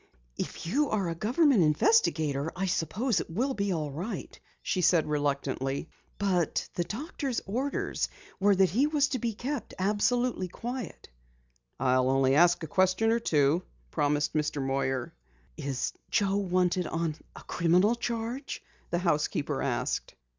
"If you are a government investigator I suppose it will be all right," she said reluctantly. "But the doctor's orders were that he was to be kept absolutely quiet." "I'll only ask a question or two," promised Mr. Moyer. "Is Joe wanted on a criminal charge?" the housekeeper asked.